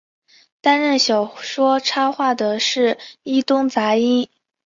担任小说插画的是伊东杂音。